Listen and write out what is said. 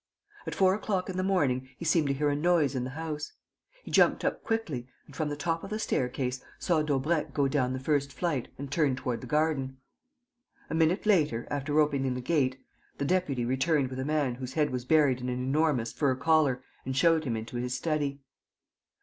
At four o'clock in the morning he seemed to hear a noise in the house. He jumped up quickly and, from the top of the staircase, saw Daubrecq go down the first flight and turn toward the garden. A minute later, after opening the gate, the deputy returned with a man whose head was buried in an enormous fur collar and showed him into his study.